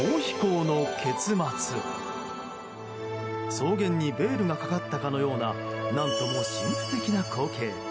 草原にベールがかかったかのような何とも神秘的な光景。